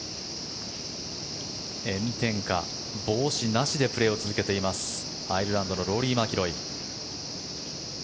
炎天下、帽子なしでプレーを続けていますアイルランドのローリー・マキロイ。